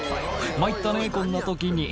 参ったねこんな時に」